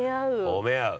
◆褒め合う。